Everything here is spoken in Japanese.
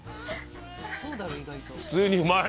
普通にうまい！